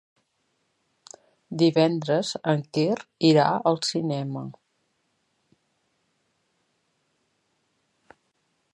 Divendres en Quer irà al cinema.